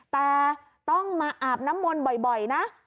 แต่ต้องมาอาบน้ำมนต์บ่อยนะ